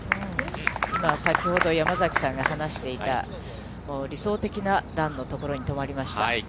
先ほど山崎さんが話していた理想的な段の所に止まりました。